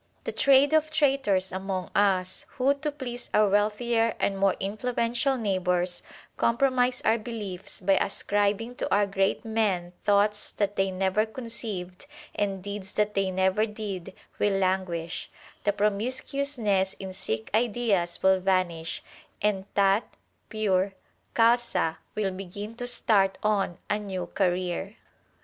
The trade of traitors among us who to please our wealthier and more influential neighbours, compromise our beliefs by ascribing to our great men thoughts that they never conceived and deeds that they never did, will languish, the promiscuousness in Sikh ideas will vanish, and Tat (pure) Khalsa will begin to start on a new career.